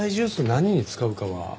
何に使うかは？